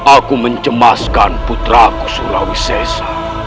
aku mencemaskan putraku sulawisesa